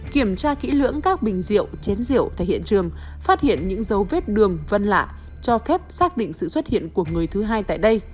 kiểm tra kỹ lưỡng các bình rượu chén rượu tại hiện trường phát hiện những dấu vết đường vân lạ cho phép xác định sự xuất hiện của người thứ hai tại đây